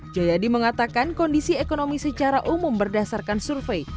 jayadi mengatakan kondisi ekonomi secara umum berdasarkan survei